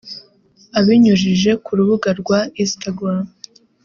Abinyujije ku rubuga rwa Instagram